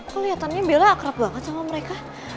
kok liatannya bella akrab banget sama mereka